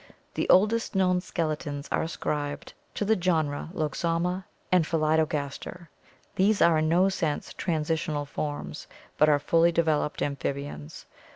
The oldest known skeletons are ascribed to the genera Loxomma and Pholi dogaster. These are in no sense transitional forms, but are fully developed amphibians.